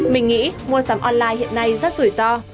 mình nghĩ mua sắm online hiện nay rất rủi ro